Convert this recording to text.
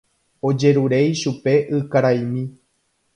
Ojerure ichupe ykaraimi.